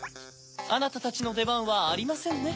あなたたちのでばんはありませんね。